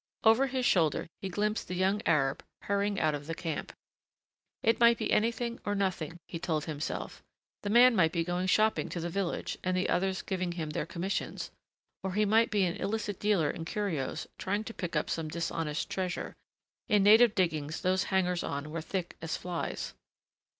Over his shoulder he glimpsed the young Arab hurrying out of the camp. It might be anything or nothing, he told himself. The man might be going shopping to the village and the others giving him their commissions, or he might be an illicit dealer in curios trying to pick up some dishonest treasure. In native diggings those hangers on were thick as flies.